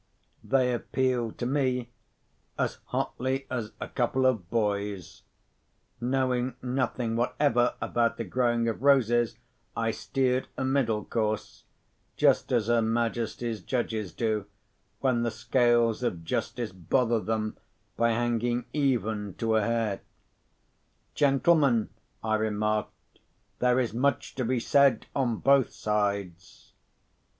They appealed to me, as hotly as a couple of boys. Knowing nothing whatever about the growing of roses, I steered a middle course—just as her Majesty's judges do, when the scales of justice bother them by hanging even to a hair. "Gentlemen," I remarked, "there is much to be said on both sides."